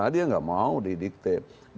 dia tidak mau didikte